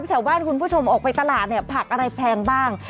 แถวบ้านคุณผู้ชมออกไปตลาดเนี่ยผักอะไรแพงบ้าง